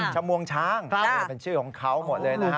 ชมวงช้างเป็นชื่อของเขาหมดเลยนะฮะ